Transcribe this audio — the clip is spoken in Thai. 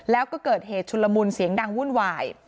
แล้วก็เกิดเหตุชุนละมุนเสียงดังวุ่นวาย